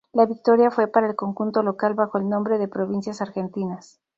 La victoria fue para el conjunto local bajo el nombre de Provincias Argentinas.